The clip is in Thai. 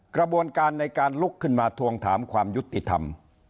กระบวนการในการลุกขึ้นมาทวงถามความยุติธรรม